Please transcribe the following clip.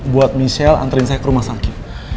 buat michelle antrin saya ke rumah sakit